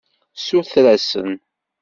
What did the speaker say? Suter-asen.